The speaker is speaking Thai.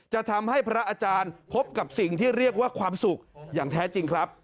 จะทำให้พระอาจารย์พบกับสิ่งที่เรียกว่าความสุขอย่างแท้จริงครับ